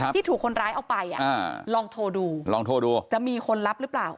ที่ถูกคนร้ายเอาไปลองโทรดูลองโทรดูจะมีคนรับหรือเปล่า